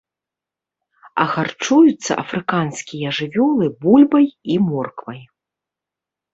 А харчуюцца афрыканскія жывёлы бульбай і морквай.